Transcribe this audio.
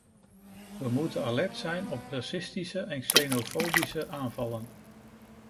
We moeten alert zijn op racistische en xenofobische aanvallen.